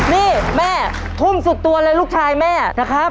นี่แม่ทุ่มสุดตัวเลยลูกชายแม่นะครับ